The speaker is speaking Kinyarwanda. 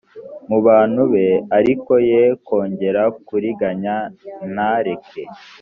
mu bantu be ariko ye kongera kuriganya ntareke